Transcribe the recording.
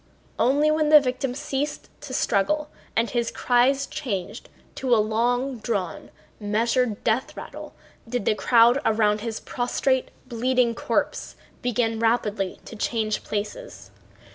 Only when the victim ceased to struggle and his cries changed to a long drawn, measured death rattle did the crowd around his prostrate, bleeding corpse begin rapidly to change places.